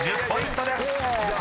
［１０ポイントです］